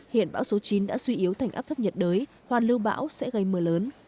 hiện bão số chín đã suy yếu thành áp thấp nhiệt đới hoàn lưu bão sẽ gây mưa lớn